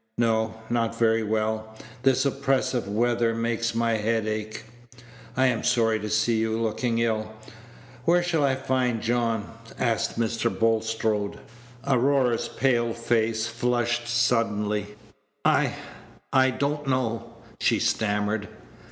"No, not very well. This oppressive weather makes my head ache." "I am sorry to see you looking ill. Where shall I find John?" asked Mr. Bulstrode. Aurora's pale face flushed suddenly. "I I don't know," she stammered.